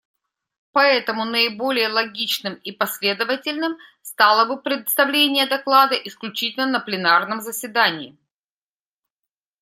Поэтому наиболее логичным и последовательным стало бы представление доклада исключительно на пленарном заседании.